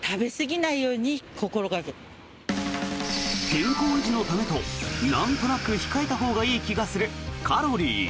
健康維持のためとなんとなく控えたほうがいい気がするカロリー。